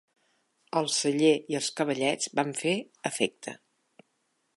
El celler i els cavallets van fer efecte.